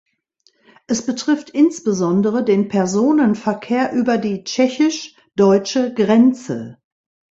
Es betrifft insbesondere den Personenverkehr über die tschechisch-deutsche Grenze.